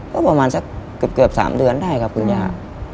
ก็ประมาณสักเกือบ๓เดือนได้ครับคุณย่า